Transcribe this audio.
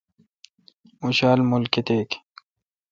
اوں شالہ مول کتیک